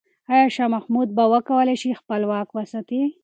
آیا شاه محمود به وکولای شي چې خپل واک وساتي؟